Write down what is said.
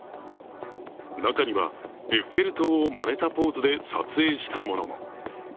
中にはエッフェル塔をまねたポーズで撮影したものも。